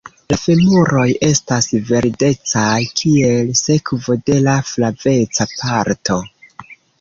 La femuroj estas verdecaj kiel sekvo de la flaveca parto.